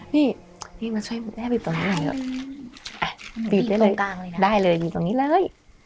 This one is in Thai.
นี่นี่มาช่วยแม่ไปตรงนี้หน่อยอ่ะอ่ะปีดได้เลยได้เลยอยู่ตรงนี้เลย